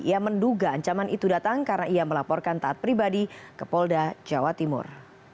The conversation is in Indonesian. ia menduga ancaman itu datang karena ia melaporkan taat pribadi ke polda jawa timur